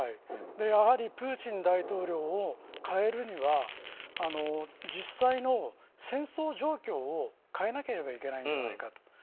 やはりプーチン大統領を変えるには実際の戦争状況を変えないといけないのではないかと。